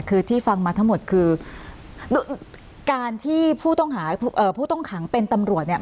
คือที่ฟังมาทั้งหมดคือการที่ผู้ต้องหาผู้ต้องขังเป็นตำรวจเนี่ย